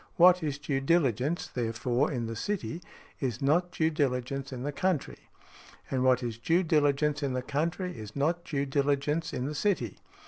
What is due diligence, therefore, in the city, is not due diligence in the country; and what is due diligence in the country is not due diligence in the city.